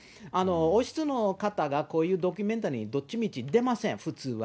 王室の方がこういうドキュメンタリーにどっちみち出ません、普通は。